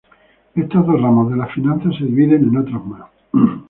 Estas dos ramas de las finanzas se dividen en otras más.